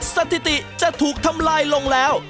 สถิติจะถูกทำลายลงแล้ว